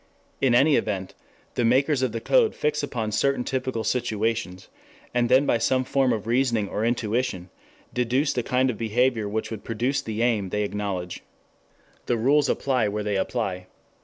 In any event the makers of the code fix upon certain typical situations, and then by some form of reasoning or intuition, deduce the kind of behavior which would produce the aim they acknowledge. The rules apply where they apply.